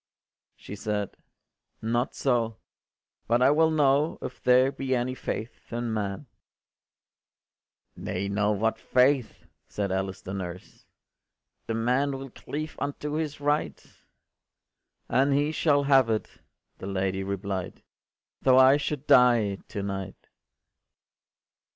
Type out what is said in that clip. ” She said, “Not so: but I will know If there be any faith in man”. “Nay now, what faith?” said Alice the nurse, “The man will cleave unto his right.” “And he shall have it,” the lady replied, “Tho’ I should die to night.